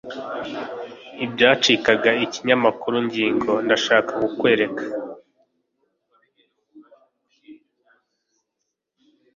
i byacikaga ikinyamakuru ngingo ndashaka kukwereka